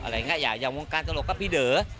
อย่างเงี้ยอย่างวงการตลกก็ปีเด้อ